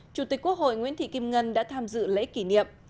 chủ tịch quốc hội nguyễn thị kim ngân đã tham dự lễ kỷ niệm